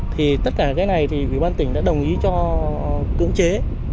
thì tất cả cái này thì ủy ban tỉnh đã đồng ý cho cưỡng chế